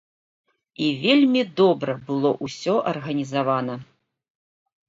І вельмі добра было ўсё арганізавана.